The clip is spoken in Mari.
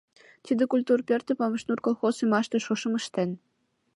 Тиде культур пӧртым «Памашнур» колхоз ӱмаште шошым ыштен.